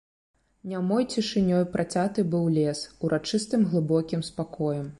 Нямой цішынёй працяты быў лес, урачыстым глыбокім спакоем.